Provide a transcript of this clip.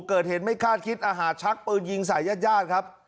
เกิดเหตุไม่คาดคิดอาหารชักปืนยิงใส่ญาติญาติครับ